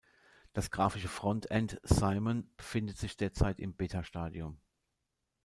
Das grafische Frontend "Simon" befindet sich derzeit im Beta-Stadium.